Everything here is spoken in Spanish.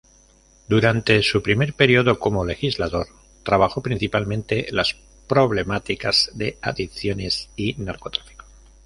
Durante su primer período como legislador trabajó principalmente las problemáticas de adicciones y narcotráfico.